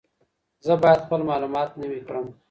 زه باید خپل معلومات نوي کړم.